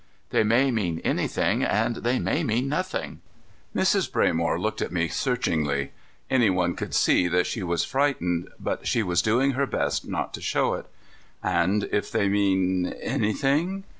They may mean anything and they may mean nothing." Mrs. Braymore looked at me searchingly. Any one could see that she was frightened, but she was doing her best not to show it. "And if they mean anything?"